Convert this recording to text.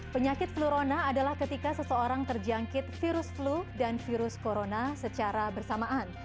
penyakit flurona adalah ketika seseorang terjangkit virus flu dan virus corona secara bersamaan